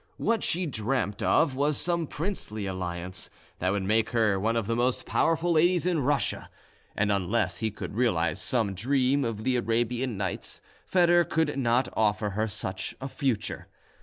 What she dreamed of was some princely alliance, that would make her one of the most powerful ladies in Russia, and unless he could realise some dream of the Arabian Nights, Foedor could not offer her such a future.